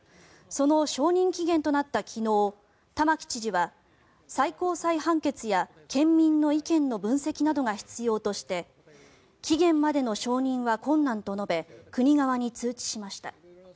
その承認期限となった昨日玉城知事は最高裁判決や県民の意見の分析などが必要として期限までの承認は困難と述べ国側に通知しました。